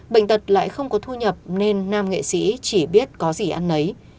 bệnh tật lại không có thu nhập nên nam nghệ sĩ chỉ biết có gì ăn ấy